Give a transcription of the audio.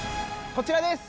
こちらです！